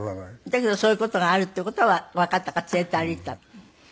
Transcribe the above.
だけどそういう事があるっていう事はわかったから連れて歩いた。